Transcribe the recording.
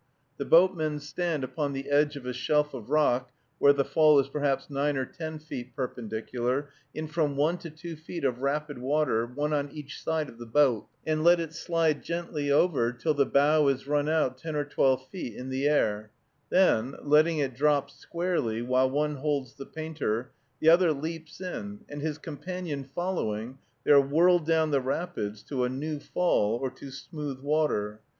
The boatmen stand upon the edge of a shelf of rock, where the fall is perhaps nine or ten feet perpendicular, in from one to two feet of rapid water, one on each side of the boat, and let it slide gently over, till the bow is run out ten or twelve feet in the air; then, letting it drop squarely, while one holds the painter, the other leaps in, and his companion following, they are whirled down the rapids to a new fall or to smooth water.